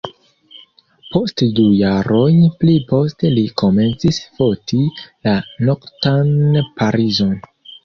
Post du jaroj pli poste li komencis foti la noktan Parizon.